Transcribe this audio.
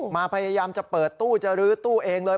พยายามจะเปิดตู้จะรื้อตู้เองเลย